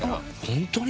本当に？